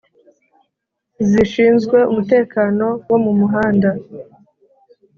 zishinzwe umutekano wo mumuhanda